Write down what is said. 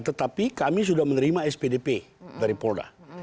tetapi kami sudah menerima spdp dari polda